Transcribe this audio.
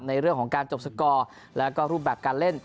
ในเรื่องของการจบสกอร์แล้วก็รูปแบบการเล่น